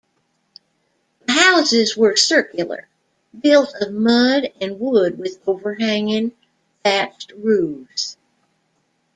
The houses were circular, built of mud and wood with overhanging thatched roofs.